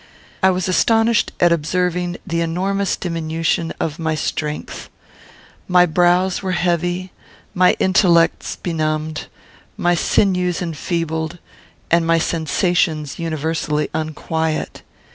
I was astonished at observing the enormous diminution of my strength. My brows were heavy, my intellects benumbed, my sinews enfeebled, and my sensations universally unquiet.